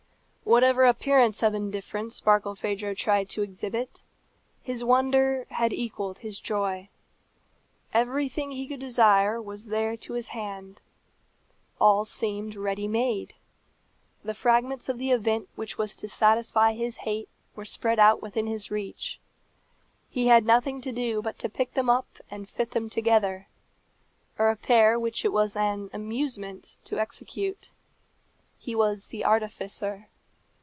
Whatever appearance of indifference Barkilphedro tried to exhibit, his wonder had equalled his joy. Everything he could desire was there to his hand. All seemed ready made. The fragments of the event which was to satisfy his hate were spread out within his reach. He had nothing to do but to pick them up and fit them together a repair which it was an amusement to execute. He was the artificer.